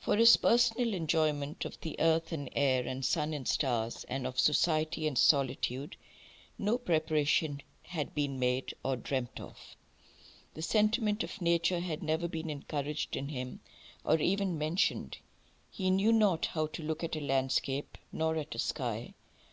THREE. For his personal enjoyment of the earth and air and sun and stars, and of society and solitude, no preparation had been made, or dreamt of. The sentiment of nature had never been encouraged in him, or even mentioned. He knew not how to look at a landscape nor at a sky.